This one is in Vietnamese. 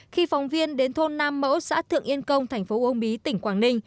khi phóng viên đến thôn nam mẫu xã thượng yên công thành phố uông bí tỉnh quảng ninh